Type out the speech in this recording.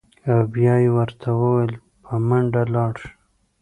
او بیا یې ورته ویل: په منډه لاړ شه.